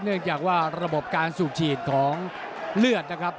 เนื่องจากว่าระบบการสูบฉีดของเลือดนะครับ